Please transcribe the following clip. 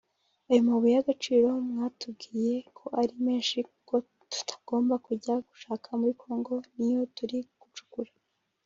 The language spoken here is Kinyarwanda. Ayo mabuye yagaciro mwatubwiye ko ari menshi ko tutagomba kujya gushaka muri Kongo niyo turi gucukura